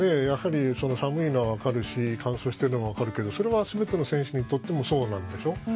やはり寒いのは分かるし乾燥しているのも分かるけどそれは全ての選手にとってもそうなんでしょう。